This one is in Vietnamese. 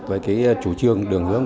với cái chủ trương đường hướng